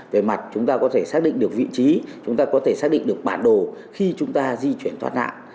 về mặt chúng ta có thể xác định được vị trí chúng ta có thể xác định được bản đồ khi chúng ta di chuyển thoát nạn